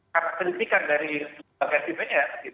karena penyitikan dari dpr